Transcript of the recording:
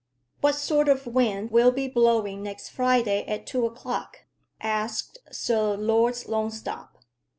"What sort of wind will be blowing next Friday at two o'clock?" asked Sir Lords Longstop.